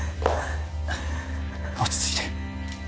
落ち着いて